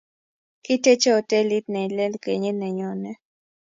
Kiteche hotelit ne lel kenyit ne nyone